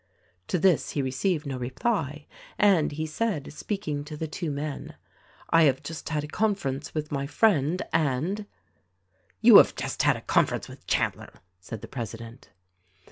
To this he received no reply, and he said, speaking to the two men — "I have just had a conference with my friend, and—" "You have just had a conference with Chandler," said the president.